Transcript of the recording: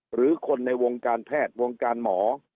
หรือคนในวงการแพทย์วงการหมอ